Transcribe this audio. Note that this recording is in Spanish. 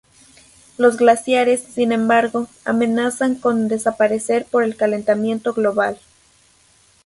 Los glaciares, sin embargo, amenazan con desaparecer por el calentamiento global.